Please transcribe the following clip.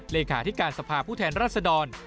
เลขาอธิการสภาผู้แทนราษฎร